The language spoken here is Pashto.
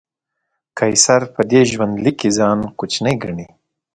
قیصر په دې ژوندلیک کې ځان کوچنی ګڼي.